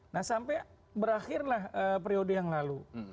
nah sampai berakhirlah periode yang lalu